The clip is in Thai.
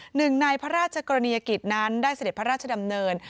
หนึ่งในพระราชกรณียกิจนั้นได้เสด็จพระราชดำเนิน